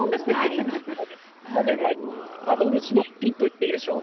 幻の一品といっていいでしょう。